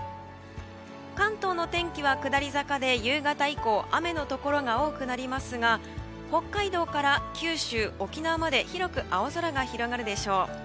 関東の天気は下り坂で夕方以降雨のところが多くなりますが北海道から九州・沖縄まで広く青空が広がるでしょう。